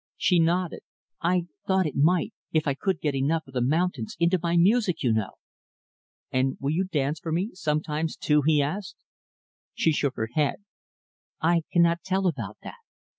She nodded. "I thought it might if I could get enough of the mountains into my music, you know." "And will you dance for me, sometimes too?" he asked. She shook her head. "I cannot tell about that.